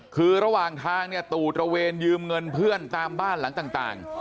คือระหว่างทางเนี่ยตู่ตระเวนยืมเงินเพื่อนตามบ้านหลังต่าง